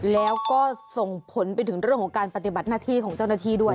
แล้วก็ส่งผลไปถึงเรื่องของการปฏิบัติหน้าที่ของเจ้าหน้าที่ด้วย